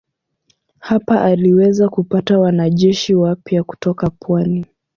Hapa aliweza kupata wanajeshi wapya kutoka pwani.